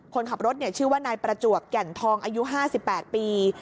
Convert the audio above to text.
คนขับรถเนี้ยชื่อว่านายประจวกแก่นทองอายุห้าสิบแปดปี